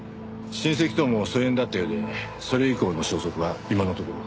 親戚とも疎遠だったようでそれ以降の消息は今のところ。